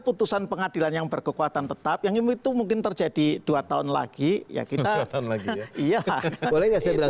putusan pengadilan yang berkekuatan tetap yang itu mungkin terjadi dua tahun lagi ya kita iya